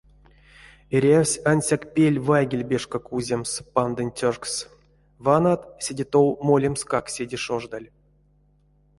Эрявсь ансяк пель вайгельбешка куземс пандонть тёкшс — ванат, седе тов молемскак седе шождаль.